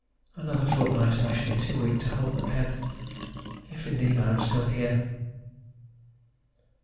Another fortnight and I shall be too weak to hold the pen if, indeed, I am still here.